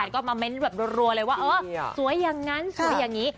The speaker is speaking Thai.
ก็มาเม้นต์แบบรัวเลยว่าเออสวยอย่างนั้นสวยอย่างนี้